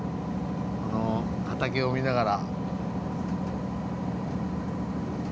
この畑を見ながら。